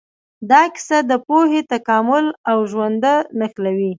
دا کیسه د پوهې، تکامل او ژونده نښلوي.